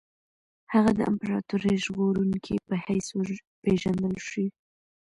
هغه د امپراطوري ژغورونکي په حیث وپېژندل شي.